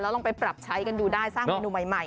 ลองไปปรับใช้กันดูได้สร้างเมนูใหม่